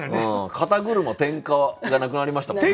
「肩車点火」がなくなりましたもんね。